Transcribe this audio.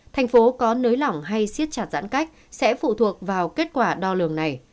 thành phố có nới lỏng hay siết chặt giãn cách sẽ phụ thuộc vào kết quả đo lường này